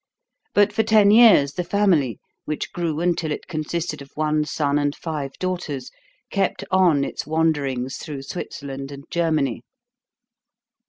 But for ten years the family which grew until it consisted of one son and five daughters kept on its wanderings through Switzerland and Germany.